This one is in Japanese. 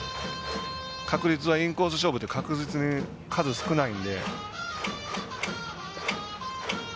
確率はインコース勝負で確実に数少ないので。